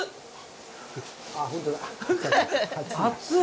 熱い。